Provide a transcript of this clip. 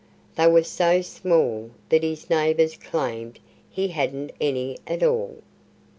They were so small that his neighbors claimed he hadn't any at all.